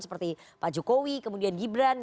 seperti pak jokowi kemudian gibran